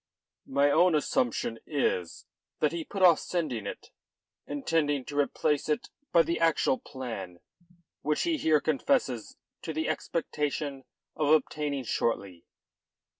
"My own assumption is that he put off sending it, intending to replace it by the actual plan which he here confesses to the expectation of obtaining shortly."